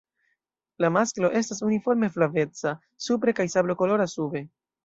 La masklo estas uniforme flaveca supre kaj sablokolora sube.